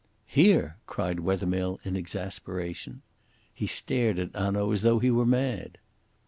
"Here!" cried Wethermill in exasperation. He stared at Hanaud as though he were mad.